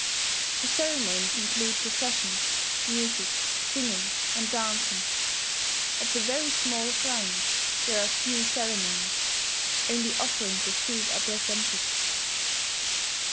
The ceremonies include processions, music, singing, and dancing. At the very small shrines there are few ceremonies, only offerings of food are presented.